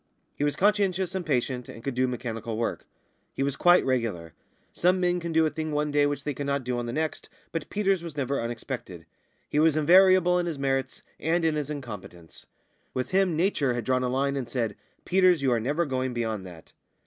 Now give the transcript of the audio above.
He was conscientious and patient, and could do mechanical work; he was quite regular. Some men can do a thing one day which they cannot do on the next, but Peters was never unexpected. He was invariable in his merits, and in his incompetence. With him Nature had drawn a line, and said, "Peters, you are never going beyond that."